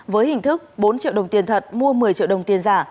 với hình thức bốn triệu đồng tiền thật mua một mươi triệu đồng tiền giả